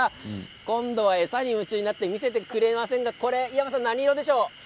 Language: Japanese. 今度は餌に夢中になって見せてくれませんが何色でしょうか。